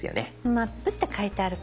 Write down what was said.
「マップ」って書いてあるから大丈夫です。